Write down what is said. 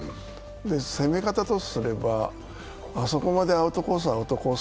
攻め方とすれば、あそこまでアウトコース、アウトコース